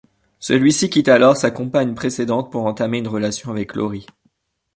Celui-ci quitte alors sa compagne précédente pour entamer une relation avec Laurie.